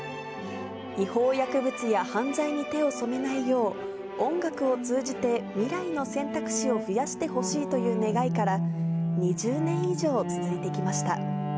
違法薬物や犯罪に手を染めないよう、音楽を通じて未来の選択肢を増やしてほしいという願いから、２０年以上続いてきました。